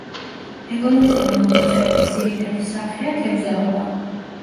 ეკონომიკური მოღვაწეობის ძირითადი სახეა თევზაობა.